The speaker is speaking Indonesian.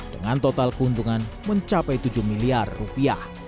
dengan total keuntungan mencapai tujuh miliar rupiah